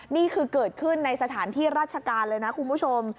นี่คือเกิดขึ้นในสถานที่ราชการเลยนะคุณผู้ชม